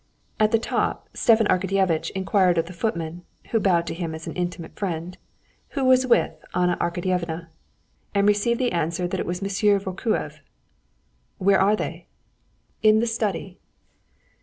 At the top Stepan Arkadyevitch inquired of the footman, who bowed to him as to an intimate friend, who was with Anna Arkadyevna, and received the answer that it was M. Vorkuev. "Where are they?" "In the study."